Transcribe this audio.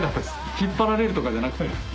引っ張られるとかじゃなくて。